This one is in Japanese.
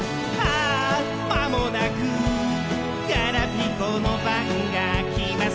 「あまもなくガラピコの番がきます！」